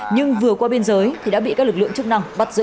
nhưng vừa qua biên giới thì đã bị các lực lượng chức năng bắt giữ